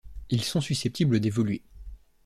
Ils sont susceptibles d'évoluer.